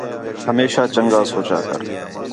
ہمیشاں چنڳا سوچا کر